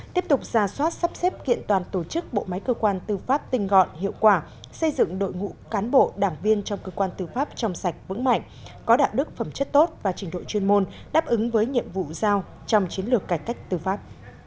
tiếp tục ra soát sắp xếp kiện toàn tổ chức bộ máy cơ quan tư pháp tinh gọn hiệu quả xây dựng đội ngũ cán bộ đảng viên trong cơ quan tư pháp trong sạch vững mạnh có đạo đức phẩm chất tốt và trình độ chuyên môn đáp ứng với nhiệm vụ giao trong chiến lược cải cách tư pháp